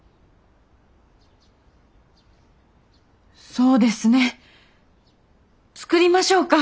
そうですね。作りましょうか！